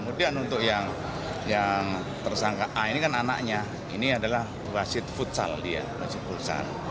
kemudian untuk yang tersangka a ini kan anaknya ini adalah wasit futsal dia wasit full